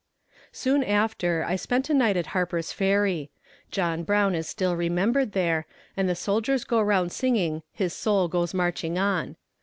Soon after I spent a night at Harper's Ferry. John Brown is still remembered there, and the soldiers go round singing "His soul goes marching on."